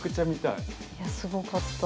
いやすごかった。